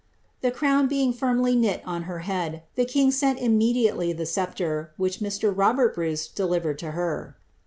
The crown being firmly hiil on her head, the kine sent imme diately ihe sceptre, which .Mr. Boberl Bruce delivered tocher.''